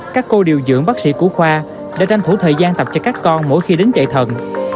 các cô điều dưỡng bác sĩ của khoa đã tranh thủ thời gian tập cho các con mỗi khi đến chạy thần